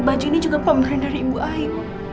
baju ini juga pembrand dari ibu ayo